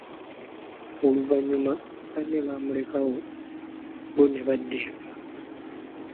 Oluvanyuma banne bamulekawo bo ne badda eka.